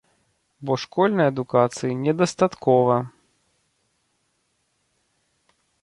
Бо школьнай адукацыі недастаткова.